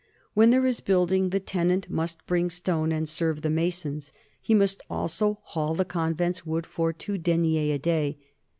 When there is building the tenant must bring stone and serve the masons; he must also haul the convent's wood for two deniers a day.